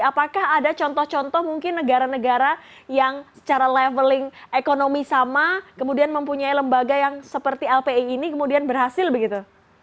apakah ada contoh contoh mungkin negara negara yang secara leveling ekonomi sama kemudian mempunyai lembaga yang seperti lpi ini kemudian berhasil begitu